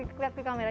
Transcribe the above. eh cantik ini ya